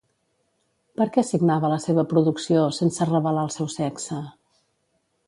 Per què signava la seva producció sense revelar el seu sexe?